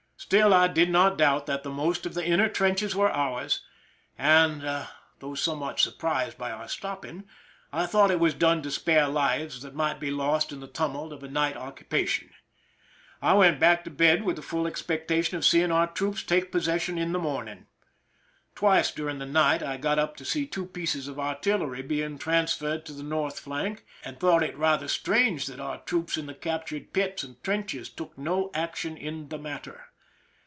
Still, I did not doubt that the most of the inner trenches were ours, and though somewhat surprised by our stopping, I thought it was done to spare lives that might be lost in the tumult of a night occupation. I went back to bed with the full ex pectation of seeing our troops take possession in the morning. Twice during the night I got up to see two pieces of artillery being transferred to the north flank, and thought it rather strange that our troops in the captured pits and trenches took no action in the matter.